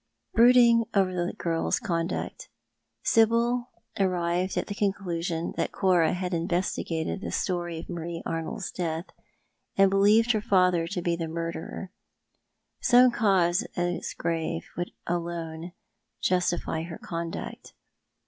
liroodiUo' over t^:e girl's conduct, Sibyl arrived at the 330 ThoiL art the Man. conclusion that Cora had investigated the story of Marie Arnold's death, and believed her father to be the murderer. Some cause as grave would alone justify her conduct.